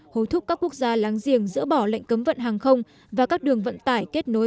hối thúc các quốc gia láng giềng dỡ bỏ lệnh cấm vận hàng không và các đường vận tải kết nối